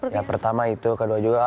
ya pertama itu kedua juga